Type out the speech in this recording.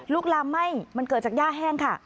ลามไหม้มันเกิดจากย่าแห้งค่ะ